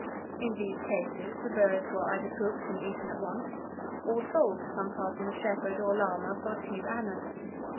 In these cases, the birds were either cooked and eaten at once, or sold to some passing shepherd or lama for a few annas.